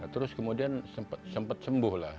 terus kemudian sempat sembuh lah